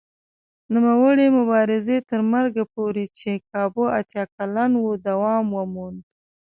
نوموړي مبارزې تر مرګه پورې چې کابو اتیا کلن و دوام وموند.